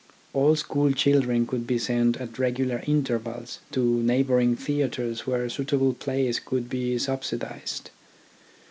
All school children could be sent at regular intervals to neighbouring theatres where suitable plays could be subsidised.